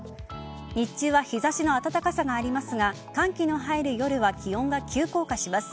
日中は日差しの暖かさがありますが寒気の入る夜は気温が急降下します。